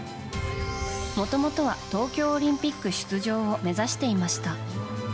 もともとは東京オリンピック出場を目指していました。